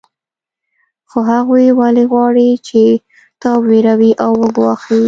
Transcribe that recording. خو هغوی ولې غواړي چې تا وویروي او وګواښي